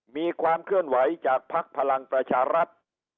มีความเคลื่อนไหวจากภักดิ์พลังประชารัฐ